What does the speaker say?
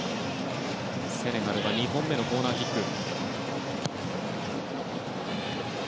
セネガル２本目のコーナーキック。